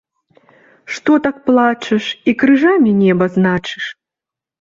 Што так плачаш, і крыжамі неба значыш?